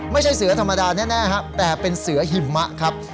ไม่ใช่เสือธรรมดาแน่ครับแต่เป็นเสือหิมะครับ